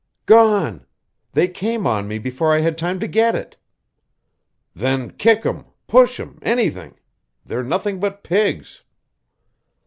"Gone. They came on me before I had time to get it." "Then kick 'em, push 'em anything. They're nothing but pigs."